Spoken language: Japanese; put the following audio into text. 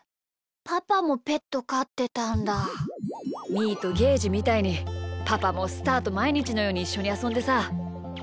みーとゲージみたいにパパもスターとまいにちのようにいっしょにあそんでさ。